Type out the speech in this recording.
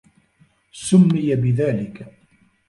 سُمِّيَ بِذَلِكَ